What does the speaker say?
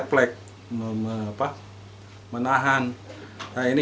sejak itu dia sudah disaingkan dengan polisi